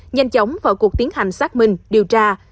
nhanh chóng vào cuộc tiến hành xác minh điều tra